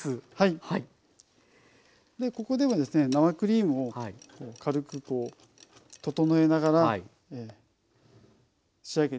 ここでも生クリームを軽くこう整えながら仕上げていきます。